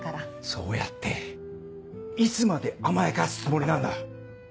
そうやっていつまで甘やかすつもりなんだ。